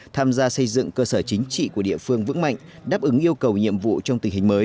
tham gia xây dựng cơ sở chính trị của địa phương vững mạnh đáp ứng yêu cầu nhiệm vụ trong tình hình mới